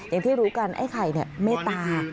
อย่างที่รู้กันไอ้ไข่เนี่ยเมตา